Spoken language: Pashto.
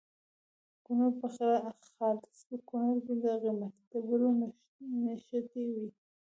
د کونړ په خاص کونړ کې د قیمتي ډبرو نښې دي.